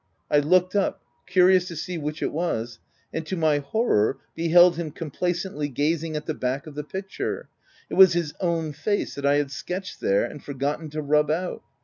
— I looked up, curious to see which it was, and, to my horror, beheld him com placently gazing at the back of the picture — It was his own face that I had sketched there and forgotten to rub out